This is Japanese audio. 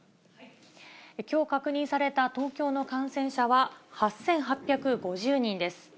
きょう確認された東京の感染者は８８５０人です。